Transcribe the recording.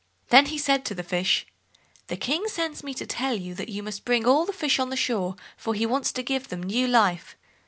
Then he said to the fish, "The King sends me to tell you that you must bring all the fish on shore, for he wants to give them new life."